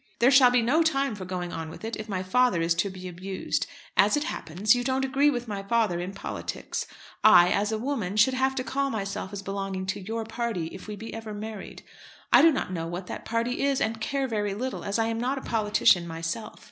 There shall be no time for going on with it, if my father is to be abused. As it happens, you don't agree with my father in politics. I, as a woman, should have to call myself as belonging to your party, if we be ever married. I do not know what that party is, and care very little, as I am not a politician myself.